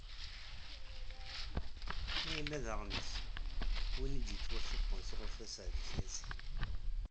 Mayella d aɣmis, win i d-yettwassufɣen sɣur Taseεdit Yasin.